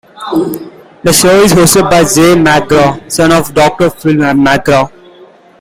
The show is hosted by Jay McGraw, son of Doctor Phil McGraw.